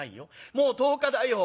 もう１０日だよ。